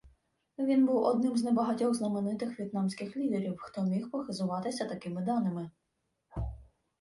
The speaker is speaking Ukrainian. Він був одним з небагатьох знаменитих в'єтнамських лідерів, хто міг похизуватися такими даними.